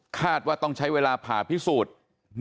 ว่าต้องใช้เวลาผ่าพิสูจน์